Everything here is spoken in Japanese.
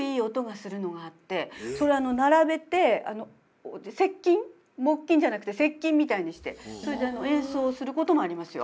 並べて石琴木琴じゃなくて石琴みたいにしてそれで演奏をすることもありますよ。